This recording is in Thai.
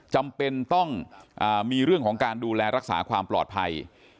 จำเป็นต้องมีเรื่องของการดูแลรักษาความปลอดภัย